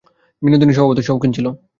বিনোদিনী স্বাভাবতই শৌখিন ছিল।